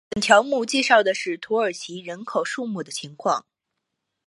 本条目介绍的是土耳其的人口数目情况。